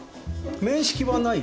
面識はない？